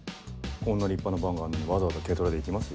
こんな立派なバンがあるのにわざわざ軽トラで行きます？